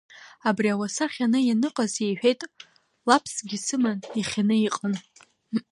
Абри ауаса хьаны ианыҟаз, — иҳәеит, лаԥскгьы сыман, ихьаны иҟан.